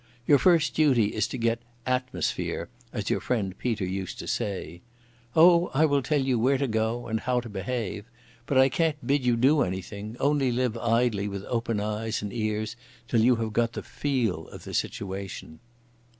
Your first duty is to get 'atmosphere', as your friend Peter used to say. Oh, I will tell you where to go and how to behave. But I can't bid you do anything, only live idly with open eyes and ears till you have got the 'feel' of the situation."